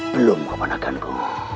belum ke manakanku